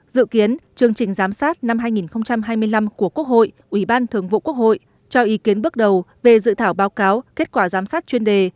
dự kiến chương trình giám sát năm hai nghìn hai mươi năm của quốc hội ủy ban thường vụ quốc hội cho ý kiến bước đầu về dự thảo báo cáo kết quả giám sát chuyên đề